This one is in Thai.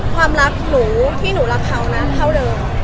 ความรักหนูที่หนูรักเขานะเท่าเดิม